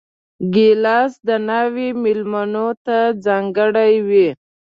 ګیلاس د ناوې مېلمنو ته ځانګړی وي.